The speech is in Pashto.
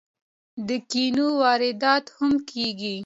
د کینو واردات هم کیږي.